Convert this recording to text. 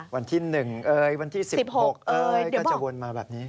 วันที่๑วันที่๑๖ก็จะวนมาแบบนี้